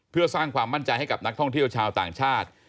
เพื่อสร้างความมั่นใจให้กับนักท่องเที่ยวชาวต่างชาติ